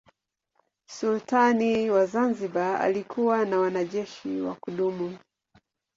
Sultani wa Zanzibar alikuwa na wanajeshi wa kudumu.